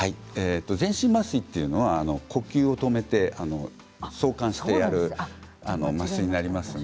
全身麻酔というのは呼吸を止めて挿管してやる麻酔になります。